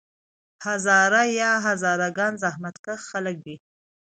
هزاره یا هزاره ګان زحمت کښه خلک دي.